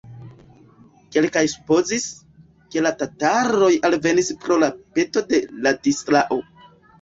Kelkaj supozis, ke la tataroj alvenis pro peto de Ladislao.